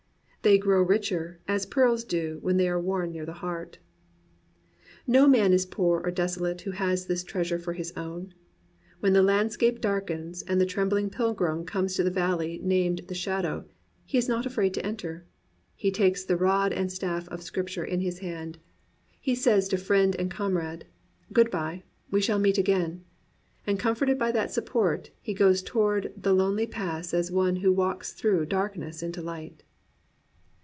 They grow richer, as pearls do when they are toom near the heart, n THE BOOK OF BOOKS No man is poor or desolate who has this treasure for his own. When the landscape darkens and the trembling pilgrim comes to the Valley named of the Shadow, he is not afraid to enter : he takes the rod and staff of Scripture in his hand; he says to friend and comrade^ "Good hy; we shall meet again^* ; and com forted by that support, he goes toward the lonely pass as one who walks through darkness into light.